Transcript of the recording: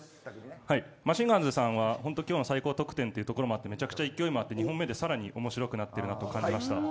マシンガンズさんは今日の最高得点ということもあって勢いもあって２本目でさらに面白くなっていると感じました。